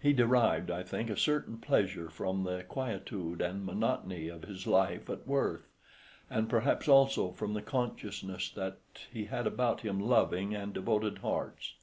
He derived, I think, a certain pleasure from the quietude and monotony of his life at Worth, and perhaps also from the consciousness that he had about him loving and devoted hearts.